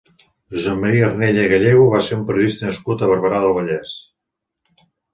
Josep Maria Arnella i Gallego va ser un periodista nascut a Barberà del Vallès.